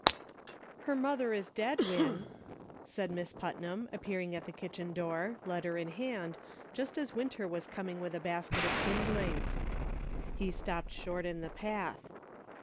HER mother is dead, Win," said Miss Putnam, appearing at the kitchen door, letter in hand, just as Winter was coming with a basket of kindlings. He stopped short in the path.